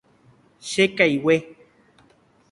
Chekaigue.